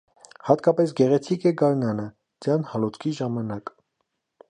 Հատկապես գեղեցիկ է գարնանը, ձյան հալոցքի ժամանակ։